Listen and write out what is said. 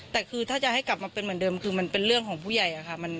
แต่คือถ้าจะให้กลับมาเป็นเหมือนเดิมคือมันเป็นเรื่องของผู้ใหญ่ค่ะ